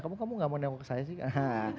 kamu gak mau nanya ke saya sih